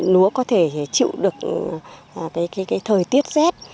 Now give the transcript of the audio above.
lúa có thể chịu được cái thời tiết rét